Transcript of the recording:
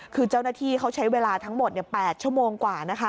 คือเจ้าหน้าที่เขาใช้เวลาทั้งหมด๘ชั่วโมงกว่านะคะ